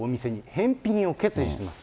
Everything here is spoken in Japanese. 返品を決意します。